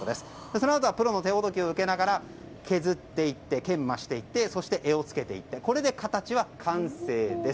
そのあとはプロの手ほどきを受けながら研磨していってそして柄を付けていってこれで形を完成です。